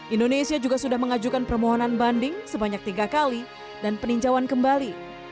indonesia juga sudah mengajukan permohonan banding sebanyak tiga kali dan peninjauan kembali